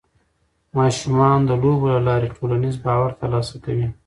ماشومان د لوبو له لارې ټولنیز باور ترلاسه کوي.